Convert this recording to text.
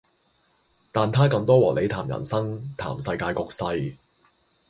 但他更多和你談人生、談世界局勢